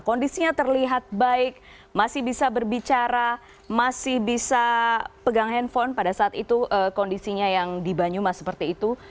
kondisinya terlihat baik masih bisa berbicara masih bisa pegang handphone pada saat itu kondisinya yang di banyumas seperti itu